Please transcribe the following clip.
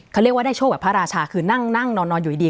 เขาเรียกว่าได้โชคแบบพระราชาคือนั่งนอนอยู่ดี